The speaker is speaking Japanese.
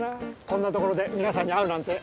こんなところで皆さんに会うなんて。